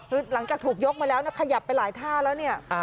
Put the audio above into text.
หรือหลังจากถูกยกมาแล้วขยับไปหลายท่าแล้ว